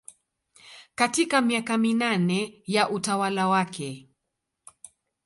katika miaka minane ya utawala wake